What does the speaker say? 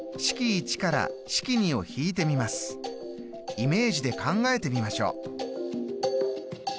イメージで考えてみましょう。